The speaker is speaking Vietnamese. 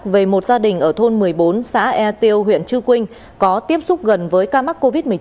về một gia đình ở thôn một mươi bốn xã e tiêu huyện chư quynh có tiếp xúc gần với ca mắc covid một mươi chín